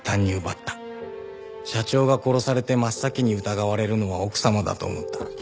社長が殺されて真っ先に疑われるのは奥様だと思った。